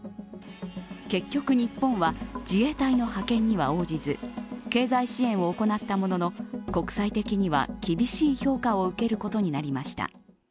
結局日本は自衛隊の派遣には応じず、経済支援を行ったものの、国際的には厳しい評価を受けることになりました。